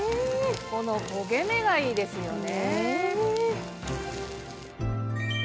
この焦げ目がいいですよね。